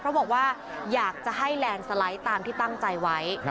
เพราะบอกว่าอยากจะให้แลนด์สไลด์ตามที่ตั้งใจไว้